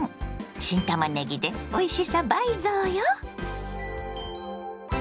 新たまねぎでおいしさ倍増よ！